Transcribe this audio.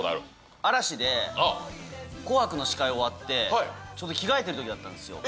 嵐で紅白の司会終わって、ちょうど着替えてるときだったんですよ。